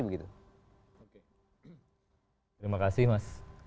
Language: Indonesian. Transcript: terima kasih mas